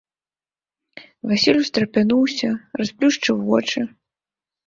Васіль устрапянуўся, расплюшчыў вочы.